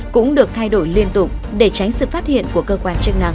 cũng được thay đổi liên tục để tránh sự phát hiện của cơ quan chức năng